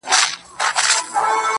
• هغه وه تورو غرونو ته رويا وايي.